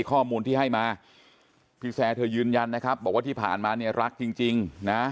ข้อมูลที่ให้มาพี่แซร์เธอยืนยันนะครับบอกว่าที่ผ่านมาเนี่ยรักจริงนะ